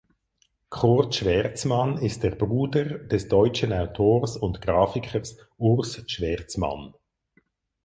Kurt Schwerzmann ist der Bruder des deutschen Autors und Grafikers Urs Schwerzmann.